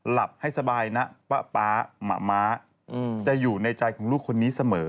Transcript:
หลับให้สบายนะป๊าหมาม้าจะอยู่ในใจของลูกคนนี้เสมอ